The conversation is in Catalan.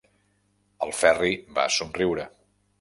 El Ferri va somriure.